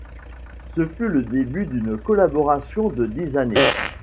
Ce fut le début d'une collaboration de dix années.